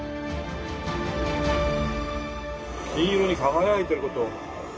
金色に輝いていること。